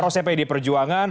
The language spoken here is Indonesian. porosnya pd perjuangan